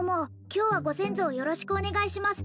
今日はご先祖をよろしくお願いします